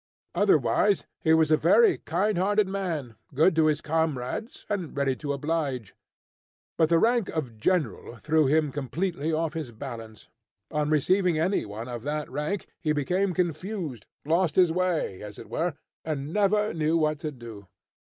Otherwise he was a very kind hearted man, good to his comrades, and ready to oblige. But the rank of general threw him completely off his balance. On receiving any one of that rank, he became confused, lost his way, as it were, and never knew what to do.